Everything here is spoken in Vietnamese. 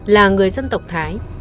là người dân tộc thái